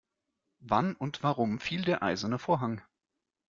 Wann und warum fiel der eiserne Vorhang?